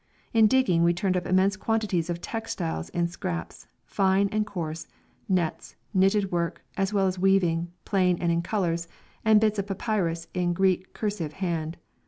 In digging we turned up immense quantities of textiles in scraps, fine and coarse, nets, knitted work, as well as weaving, plain and in colours, and bits of papyrus in Greek cursive hand.